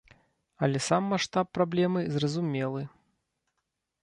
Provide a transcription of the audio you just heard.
Але сам маштаб праблемы зразумелы.